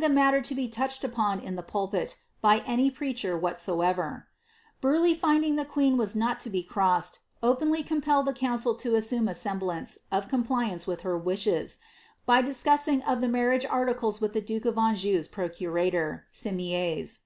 the matter to be touched upon in the pulpil, by any preacher whatsoever, Burleigh finding that the queen was not to be crossed, openly compelled the council to assume a semblance of compliance with her wishes, by discussing of the marriage articles with the duke of Anjou's procurator. Simiers.'